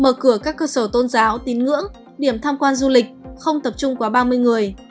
mở cửa các cơ sở tôn giáo tín ngưỡng điểm tham quan du lịch không tập trung quá ba mươi người